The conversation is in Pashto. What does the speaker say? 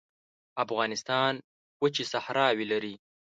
افغانستان وچې صحراوې لري